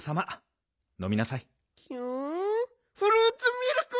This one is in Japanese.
フルーツミルク！